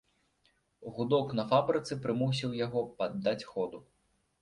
Гудок на фабрыцы прымусіў яго паддаць ходу.